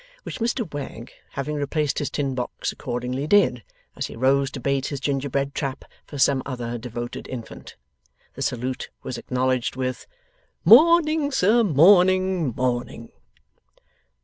Which Mr Wegg, having replaced his tin box, accordingly did, as he rose to bait his gingerbread trap for some other devoted infant. The salute was acknowledged with: 'Morning, sir! Morning! Morning!